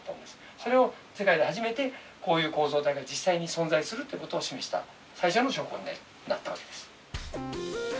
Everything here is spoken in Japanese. それを世界で初めてこういう構造体が実際に存在するという事を示した最初の証拠になった訳です。